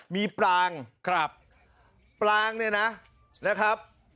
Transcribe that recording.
มีปลางครับปลางเนี่ยนะนะครับ